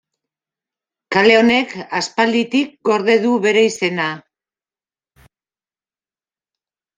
Kale honek aspalditik gorde du bere izena.